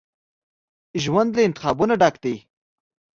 ژوند له انتخابونو ډک دی.